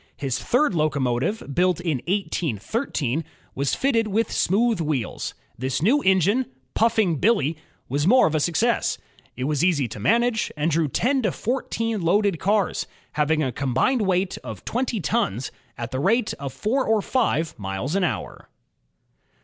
His third locomotive, built in 1813, was fitted with GEORGE STEPHENSON 6 1 smooth wheels. This new engine, Puffing Billy y was more of a success. It was easy to manage, and drew ten to fourteen loaded cars, having a combined weight of twenty tons, at the rate of four or five miles an hour.